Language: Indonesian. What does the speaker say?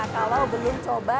kalau beli coba